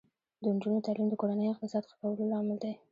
د نجونو تعلیم د کورنۍ اقتصاد ښه کولو لامل دی.